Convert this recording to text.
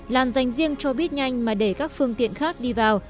làn dành riêng cho biết nhanh mà để các phương tiện khác đi vào